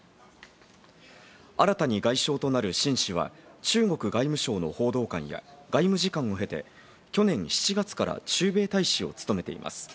新たに外相となるシン氏は、中国外務省の報道官や外務次官を経て、去年７月から駐米大使を務めています。